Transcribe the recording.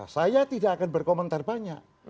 saya tidak akan berkomentar banyak